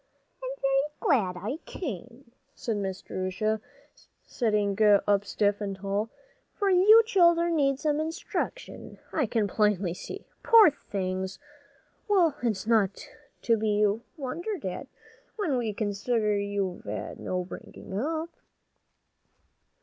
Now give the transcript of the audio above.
"I am very glad I came," said Miss Jerusha, sitting up stiff and tall, "for you children need some instruction, I can plainly see. Poor things! well, it's not to be wondered at, when we consider you've had no bringing up."